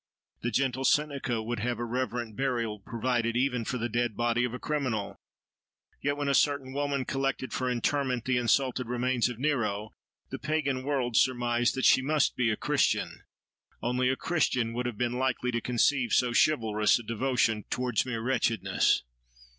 The gentle Seneca would have reverent burial provided even for the dead body of a criminal. Yet when a certain woman collected for interment the insulted remains of Nero, the pagan world surmised that she must be a Christian: only a Christian would have been likely to conceive so chivalrous a devotion towards mere wretchedness.